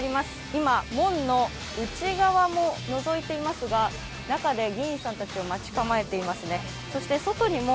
今、門の内側ものぞいていますが中で議員さんたちを待ち構えていますね。